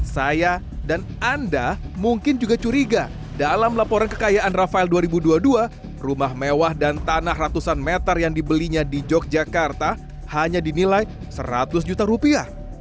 saya dan anda mungkin juga curiga dalam laporan kekayaan rafael dua ribu dua puluh dua rumah mewah dan tanah ratusan meter yang dibelinya di yogyakarta hanya dinilai seratus juta rupiah